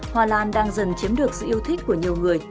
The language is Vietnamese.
hoa lan đang dần chiếm được sự yêu thích của nhiều người